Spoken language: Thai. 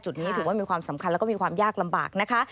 นี้ถือว่ามีความสำคัญแล้วก็มีความยากลำบากนะคะ